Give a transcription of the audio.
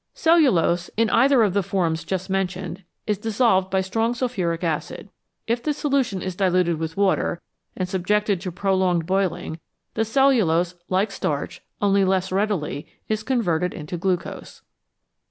Cellulose, in either of the forms just mentioned, is dissolved by strong sulphuric acid ; if the solution is diluted with water, and subjected to prolonged boiling, the cellulose, like starch, only less readily, is converted into glucose.